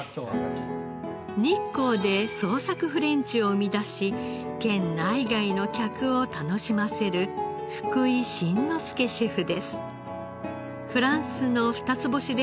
日光で創作フレンチを生み出し県内外の客を楽しませる福井慎之助シェフです。